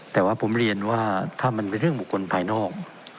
แต่ว่าผมเรียนว่าถ้ามันเป็นเรื่องบุคคลภายนอก